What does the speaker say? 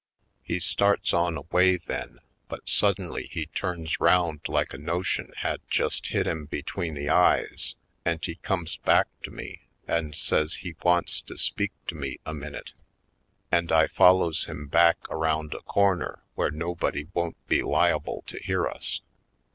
He starts on away then but suddenly he turns round like a notion had just hit him Movie Land 135 between the eyes and he comes back to me and says he wants to speak to me a minute and I follows him back around a corner where nobody won't be liable to hear us.